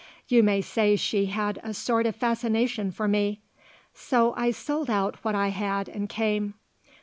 You may say she had a sort of fascination for me. So I sold out what I had and came.